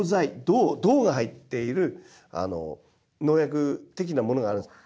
銅が入っている農薬的なものがあるんです。